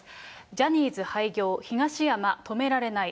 ジャニーズ廃業、東山止められない。